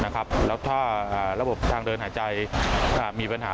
แล้วถ้าระบบทางเดินหายใจมีปัญหา